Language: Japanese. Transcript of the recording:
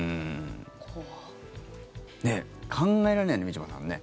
考えられないねみちょぱさんね。